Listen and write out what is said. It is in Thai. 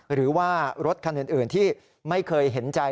หรือว่ารถคันอื่นที่ไม่เคยเห็นใจ